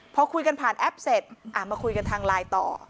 พอคุยกันผ่านแอปเสร็จมาคุยกันทางไลน์ต่อ